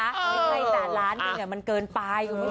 ไม่ใช่แต่ล้านหนึ่งมันเกินปลาย